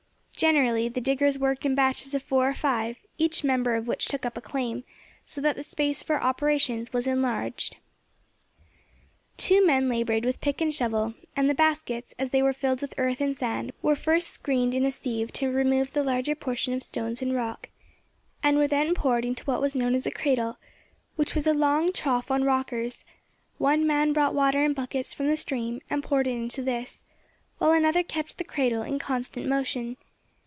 Generally the diggers worked in batches of four or five, each member of which took up a claim, so that the space for operations was enlarged. Two men laboured with pick and shovel, and the baskets, as they were filled with earth and sand, were first screened in a sieve to remove the larger portion of stones and rock, and were then poured into what was known as a cradle, which was a long trough on rockers; one man brought water in buckets from the stream, and poured it into this, while another kept the cradle in constant motion.